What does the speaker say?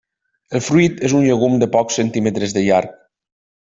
El fruit és un llegum de pocs centímetres de llarg.